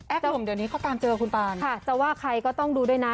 แล้วผมเดี๋ยวนี้เขาตามเจอคุณปานจะว่าใครก็ต้องดูด้วยนะ